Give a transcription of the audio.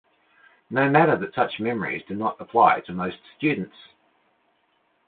No matter that such memories do not apply to most students.